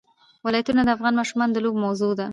ولایتونه د افغان ماشومانو د لوبو موضوع ده.